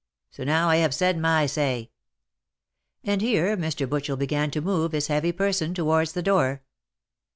So now I have said my say." And here Mr. Butchel began to move his heavy person towards the door.